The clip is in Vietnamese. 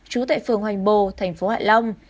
chú tại phường hoành bồ thành phố hạ long